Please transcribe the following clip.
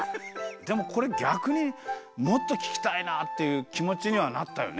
でもこれぎゃくにもっとききたいなあっていうきもちにはなったよね。